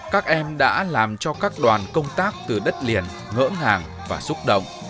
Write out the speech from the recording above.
các em đã làm cho các đoàn công tác từ đất liền ngỡ ngàng và xúc động